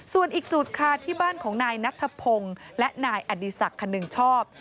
ส่วนอีกจุดค่ะที่บ้านของนายนัทพงศ์และนายอดีศักดิ์คนึงชอบ